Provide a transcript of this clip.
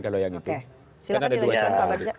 kalau yang itu silahkan dilanjutkan pak bagja